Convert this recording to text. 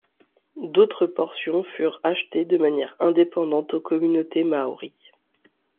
D’autres portions furent achetées de manière indépendante aux communautés Māori.